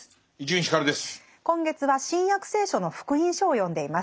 今月は「新約聖書」の「福音書」を読んでいます。